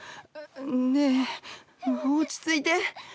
ねえ落ち着いて。